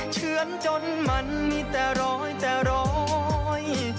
เชื่อนจนมันมีแต่ร้อยแต่ร้อย